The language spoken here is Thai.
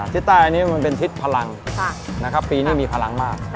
ทิศอาหารแน่นี้เป็นทิศพลังปีนี้แบบนี้มีพลังมาก